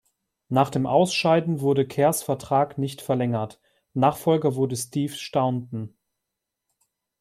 Nach dem Ausscheiden wurde Kerrs Vertrag nicht verlängert, Nachfolger wurde Steve Staunton.